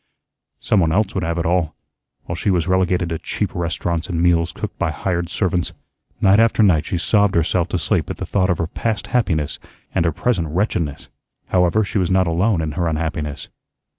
Some one else would have it all, while she was relegated to cheap restaurants and meals cooked by hired servants. Night after night she sobbed herself to sleep at the thought of her past happiness and her present wretchedness. However, she was not alone in her unhappiness.